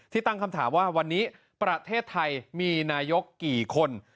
ตั้งคำถามว่าวันนี้ประเทศไทยมีนายกกี่คน